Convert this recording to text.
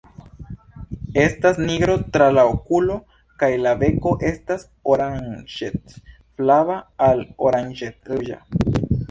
Estas nigro tra la okulo kaj la beko estas oranĝec-flava al oranĝec-ruĝa.